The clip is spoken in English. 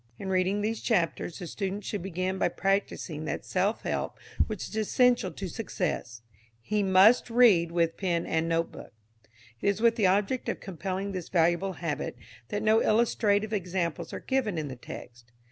In reading these chapters the student should begin by practising that self help which is essential to success. He must read with pen and notebook. It is with the object of compelling this valuable habit that no illustrative examples are given in the text.